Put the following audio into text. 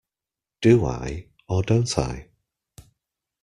Do I, or don't I?